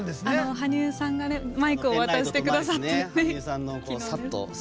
羽生さんがマイクを渡してくださって。